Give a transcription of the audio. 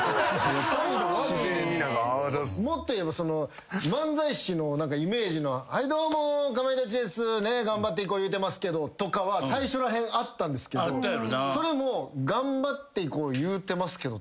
もっと言えば漫才師のイメージの「はいどうもかまいたちです」とかは最初らへんあったんですけどそれも「頑張っていこう言うてますけど」